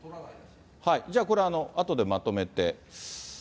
じゃあ、これは後でまとめて。